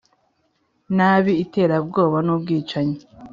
nabi iterabwoba n ubwicanyi